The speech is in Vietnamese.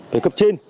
về cấp trên